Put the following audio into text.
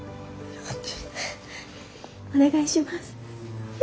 お願いします。